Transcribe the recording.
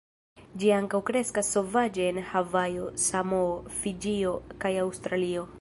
Ĝi ankaŭ kreskas sovaĝe en Havajo, Samoo, Fiĝio kaj Aŭstralio.